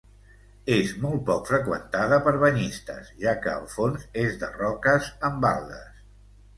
És molt poc freqüentada per banyistes, ja que el fons és de roques amb algues.